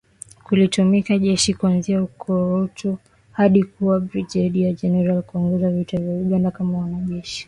kulitumikia jeshi kuanzia ukuruta hadi kuwa Brigedia Jenerali kuongoza vita ya Uganda kama mwanajeshi